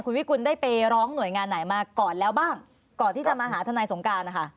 คุณวิกุลได้ไปร้องหน่วยงานไหนมาก่อนแล้วบ้างก่อนที่จะมาหาทนายสงการนะคะ